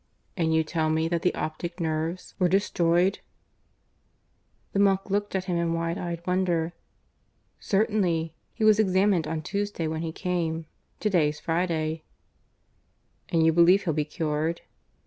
"And you tell me that the optic nerves were destroyed?" The monk looked at him in wide eyed wonder. "Certainly. He was examined on Tuesday, when he came. To day's Friday." "And you believe he'll be cured?"